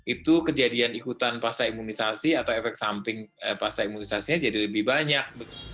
itu kejadian ikutan pasca imunisasi atau efek samping pasca imunisasinya jadi lebih banyak